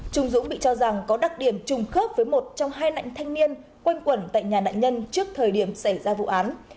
trung dũng bị cho rằng có đặc điểm trùng khớp với một trong hai nạn thanh niên quanh quẩn tại nhà nạn nhân trước thời điểm xảy ra vụ án